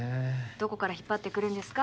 どこから引っ張ってくるんですか？